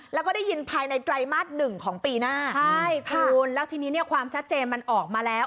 แล้วก็ได้ยินภายในไตรมาสหนึ่งของปีหน้าใช่คุณแล้วทีนี้เนี่ยความชัดเจนมันออกมาแล้ว